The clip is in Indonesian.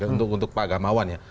untuk pak gamawan ya